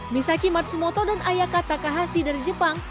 misaki matsumoto dan ayaka takahashi dari jepang